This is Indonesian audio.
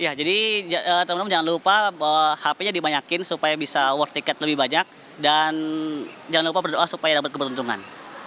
ya jadi temen temen jangan lupa hpnya dibanyakin supaya bisa worth tiket lebih banyak dan jangan lupa berdoa supaya dapat keberuntungan